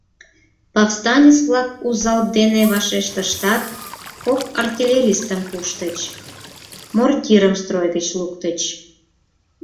Повстанец-влак у залп дене вашештыштат, кок артиллеристым пуштыч, мортирым строй гыч луктыч.